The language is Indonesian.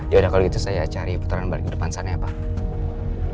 yaudah kalau gitu saya cari putaran balik ke depan sana ya pak